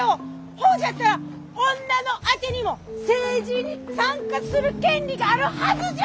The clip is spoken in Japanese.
ほうじゃったら女のあてにも政治に参加する権利があるはずじゃ！